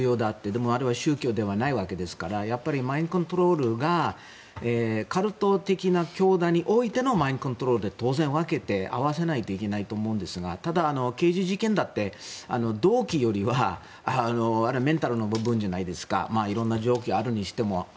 でもあれは宗教ではないわけですからマインドコントロールがカルト的な教団においてのマインドコントロールと当然分けて、合わせないといけないと思うんですがただ、刑事事件だって動機よりはあれはメンタルの部分じゃないですか色んな状況があるにしても。